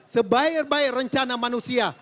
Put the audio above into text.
sebaik baik rencana manusia